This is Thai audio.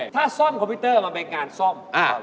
ถ้าซ่อมคอมพิวเตอร์มันเป็นงานซ่อม